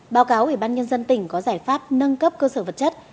báo cáo ủy ban nhân dân tỉnh có giải pháp nâng cấp cơ sở vật chất